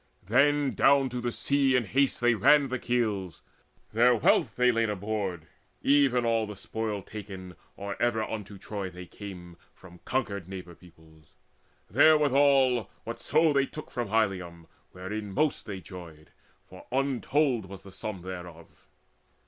Then down to the sea in haste they ran the keels: Their wealth they laid aboard, even all the spoil Taken, or ever unto Troy they came, From conquered neighbour peoples; therewithal Whatso they took from Ilium, wherein most They joyed, for untold was the sum thereof.